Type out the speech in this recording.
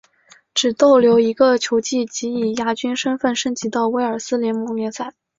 只逗留一个球季即以亚军身份升级到威尔斯联盟联赛。